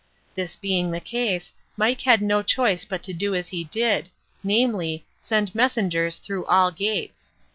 This being the case, Mike had no choice but to do as he did, namely, send messengers through all gates.